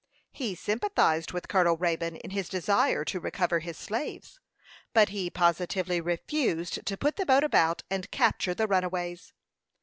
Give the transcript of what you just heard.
He sympathized with Colonel Raybone in his desire to recover his slaves; but he positively refused to put the boat about and capture the runaways.